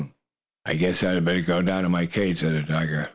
Page 120] "I guess I had better go down in my cage," said the tiger.